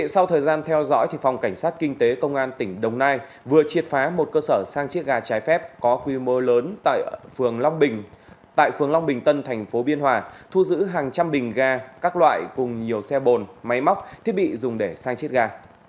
sau thời gian theo dõi phòng cảnh sát kinh tế công an tỉnh đồng nai vừa triệt phá một cơ sở sang chiếc gà trái phép có quy mô lớn tại phường long bình tân thành phố biên hòa thu giữ hàng trăm bình ga các loại cùng nhiều xe bồn máy móc thiết bị dùng để sang chiết ga